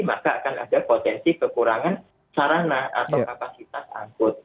maka akan ada potensi kekurangan sarana atau kapasitas angkut